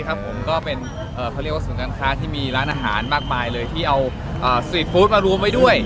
ก็เป็นส่วนการค้าที่มีร้านอาหารมากมายที่เอาสวีทฟู้ดมารวมไว้ด้วย